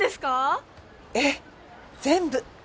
ええ全部。